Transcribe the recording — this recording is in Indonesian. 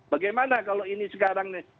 bagaimana kalau ini sekarang nih